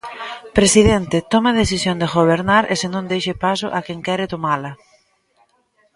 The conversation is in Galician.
"Presidente, tome a decisión de gobernar e senón deixe paso a quen quere tomala".